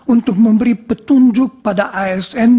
untuk memberi petunjuk pada asn